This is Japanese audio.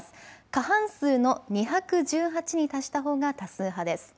過半数の２１８に達したほうが多数派です。